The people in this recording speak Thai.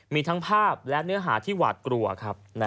มีทั้งภาพและเนื้อหาที่หวาดกลัวครับ